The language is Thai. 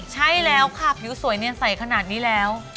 ใช่แล้วค่ะผิวสวยเนียนใสขนาดนี้แล้ว